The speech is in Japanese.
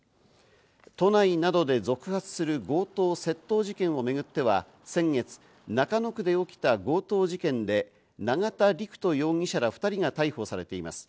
都内などで続発する強盗・窃盗事件をめぐっては先月、中野区で起きた強盗事件で、永田陸人容疑者ら２人が逮捕されています。